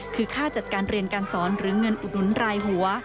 คือค่าจัดการเรียนการสอนหรือเงินอุดหนุนรายหัว